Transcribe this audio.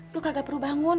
lu kagak perlu bangun